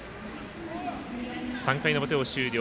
３回の表を終了。